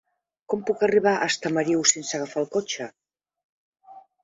Com puc arribar a Estamariu sense agafar el cotxe?